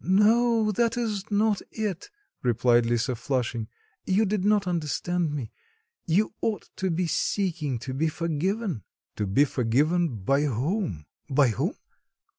"No, that is not it," replied Lisa, flushing. "You did not understand me. You ought to be seeking to be forgiven." "To be forgiven by whom?" "By whom?